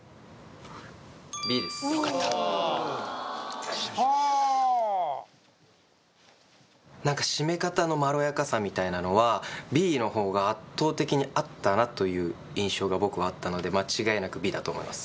Ｂですはあーなんか締め方のまろやかさみたいなのはＢのほうが圧倒的にあったなという印象が僕はあったので間違いなくＢだと思います